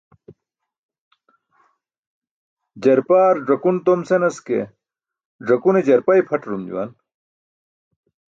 Jarpaar ẓakun tom senas ke, ẓakune jarpa i̇pʰaṭarum juwan.